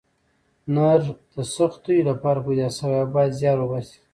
نر د سختیو لپاره پیدا سوی او باید زیار وباسئ.